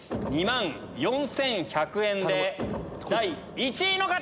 ２万４１００円で第１位の方！